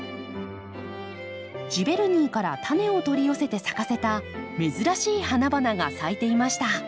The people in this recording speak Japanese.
ジヴェルニーからタネを取り寄せて咲かせた珍しい花々が咲いていました。